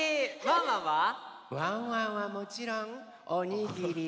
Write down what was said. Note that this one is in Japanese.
ワンワンはもちろんおにぎり。